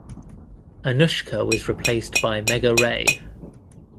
Anushka was replaced by Megha Ray.